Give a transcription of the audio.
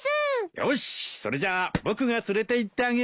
よしそれじゃあ僕が連れていってあげるよ！